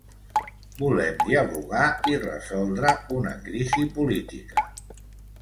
Volem dialogar i resoldre una crisi política.